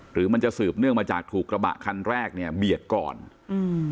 หรือมันจะสืบเนื่องมาจากถูกกระบะคันแรกเนี้ยเบียดก่อนอืม